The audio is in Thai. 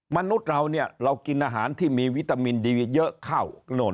มนุษย์เราเนี่ยเรากินอาหารที่มีวิตามินดีเยอะเข้าโน่น